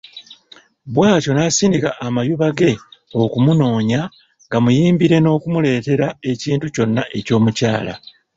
Bw'atyo n'asindika amayuba ge okumunoonya, gamuyimbire n'okumuleetera ekintu kyonna eky'omukyala.